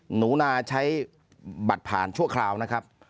หนูนาใช้บัตรผ่านชั่วคราวนะครับ